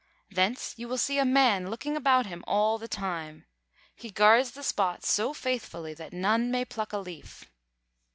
Thence you will see a man looking about him all the time. He guards the spot so faithfully that none may pluck a leaf."